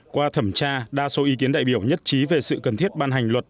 qua thẩm tra đa số ý kiến đại biểu nhất trí về sự cần thiết ban hành luật